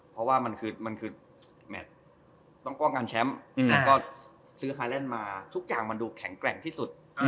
เพราะว่ามันคือมันคือแมทต้องป้องกันแชมป์แล้วก็ซื้อไฮแลนด์มาทุกอย่างมันดูแข็งแกร่งที่สุด